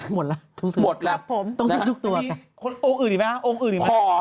หมดละหมดละต้องซื้อทุกตัวโอ้งอื่นอีกไหมโอ้งอื่นอีกไหม